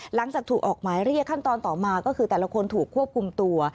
หลังจากถูกออกหมายเรียกขั้นตอนต่อมาก็คือแต่ละคนถูกควบคุมตัว